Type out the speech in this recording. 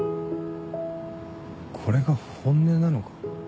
これが本音なのか？